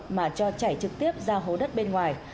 mà cho chảy trực tiếp ra hố đất bên ngoài